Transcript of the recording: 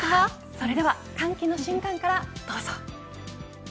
それでは歓喜の瞬間からどうぞ。